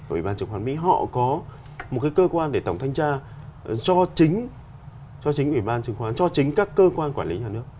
ủy ban chứng khoán mỹ họ có một cái cơ quan để tổng thánh tra cho chính các cơ quan quản lý nhà nước